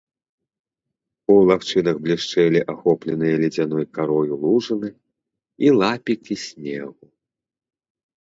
У лагчынах блішчэлі ахопленыя ледзяной карою лужыны і лапікі снегу.